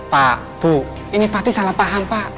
pak bu ini pasti salah paham pak